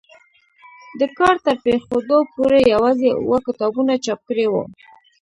د کار تر پرېښودو پورې یوازې اووه کتابونه چاپ کړي وو.